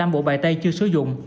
một mươi năm bộ bài tay chưa sử dụng